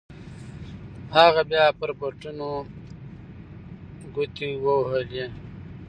هغه بيا پر بټنو گوټې ووهلې.